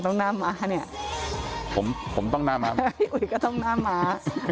ต้องน่าม้าใช่ไหมผมต้องน่าม้าพี่อุ๋ยก็ต้องน่าม้า